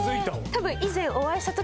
多分。